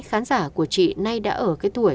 khán giả của chị nay đã ở cái tuổi